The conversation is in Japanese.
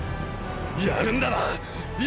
やるんだな⁉今！